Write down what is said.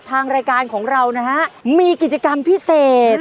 ทางรายการของเรานะฮะมีกิจกรรมพิเศษ